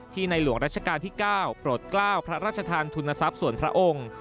ในหลวงรัชกาลที่๙โปรดกล้าวพระราชทานทุนทรัพย์ส่วนพระองค์